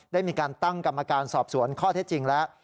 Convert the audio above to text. ได้มีการตั้งกรรมการสอบสวนข้อเท็จจริงแล้ว